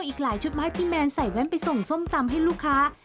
อีกหลายชุดมาให้พี่แมนใส่แว่นไปส่งส้มตำให้ลูกค้า